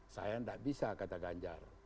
saya tidak bisa kata ganjar